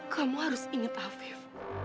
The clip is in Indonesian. kamu harus ingat afif